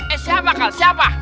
eh siapa kal siapa